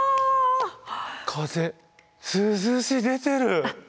風涼しい。出てる。